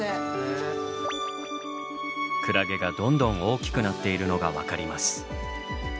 クラゲがどんどん大きくなっているのが分かります。